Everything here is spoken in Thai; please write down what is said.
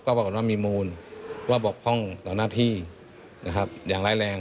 ปรากฏว่ามีมูลว่าบกพร่องต่อหน้าที่นะครับอย่างร้ายแรง